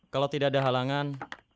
kalau tidak ada halangan